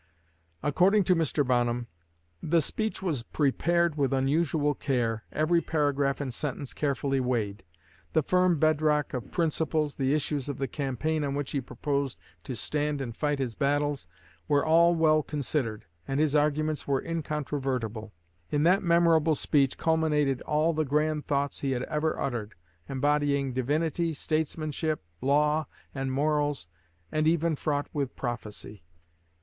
According to Mr. Bonham, "The speech was prepared with unusual care, every paragraph and sentence carefully weighed. The firm bedrock of principles, the issues of the campaign on which he proposed to stand and fight his battles, were all well considered, and his arguments were incontrovertible. In that memorable speech culminated all the grand thoughts he had ever uttered, embodying divinity, statesmanship, law, and morals, and even fraught with prophecy.